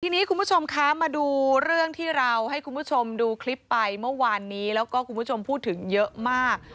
ทีนี้คุณผู้ชมคะมาดูเรื่องที่เราให้คุณผู้ชมดูคลิปไปเมื่อวานนี้แล้วก็คุณผู้ชมพูดถึงเยอะมาก